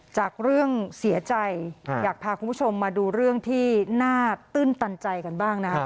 จากเรื่องเสียใจอยากพาคุณผู้ชมมาดูเรื่องที่น่าตื้นตันใจกันบ้างนะครับ